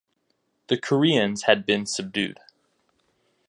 The Koreans had been subdued.